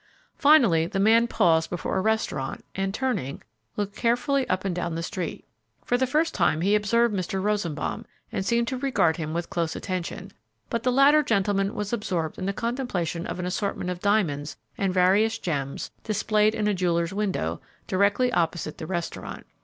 Finally, the man paused before a restaurant and, turning, looked carefully up and down the street. For the first time he observed Mr. Rosenbaum and seemed to regard him with close attention, but the latter gentleman was absorbed in the contemplation of an assortment of diamonds and various gems displayed in a jeweller's window, directly opposite the restaurant.